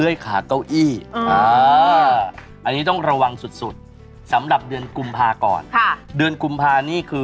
ยังไม่รู้สึกตัวอีก